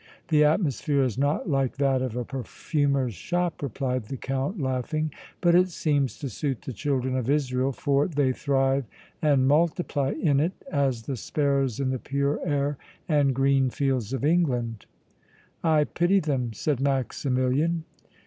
"The atmosphere is not like that of a perfumer's shop!" replied the Count, laughing. "But it seems to suit the children of Israel, for they thrive and multiply in it as the sparrows in the pure air and green fields of England!" "I pity them!" said Maximilian.